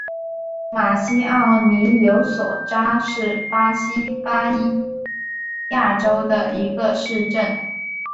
马西奥尼柳索扎是巴西巴伊亚州的一个市镇。